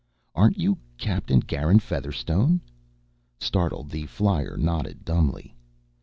"Aren't you Captain Garin Featherstone?" Startled, the flyer nodded dumbly.